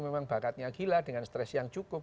memang bakatnya gila dengan stres yang cukup